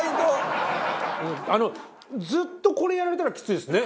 ずっとこれやられたらきついですね。